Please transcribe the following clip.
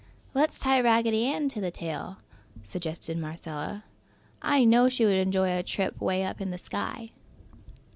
"Let's tie Raggedy Ann to the tail!" suggested Marcella. "I know she would enjoy a trip 'way up in the sky!"